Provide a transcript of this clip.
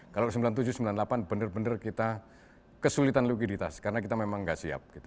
kalau sembilan puluh tujuh sembilan puluh delapan benar benar kita kesulitan likuiditas karena kita memang nggak siap